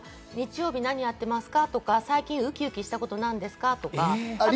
日曜日は何やってますか？とか最近ウキウキしたことなんですか？とか。